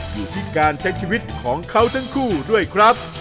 อยู่ที่การใช้ชีวิตของเขาทั้งคู่ด้วยครับ